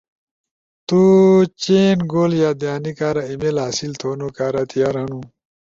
تو چئین گول یادہانی کارا ای میل حاصل تھونو کارا تیار ہنو،